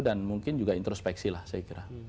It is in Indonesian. dan mungkin juga introspeksi lah saya kira